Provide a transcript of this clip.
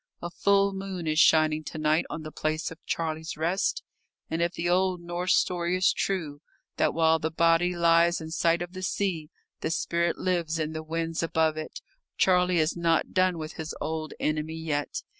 A full moon is shining to night on the place of Charlie's rest, and if the old Norse story is true, that while the body lies in sight of the sea the spirit lives in the winds above it, Charlie is not done with his old enemy yet.